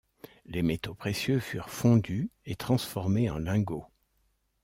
Les métaux précieux furent fondus et transformés en lingots.